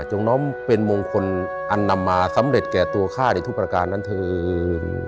น้อมเป็นมงคลอันนำมาสำเร็จแก่ตัวข้าในทุกประการนั้นเถิน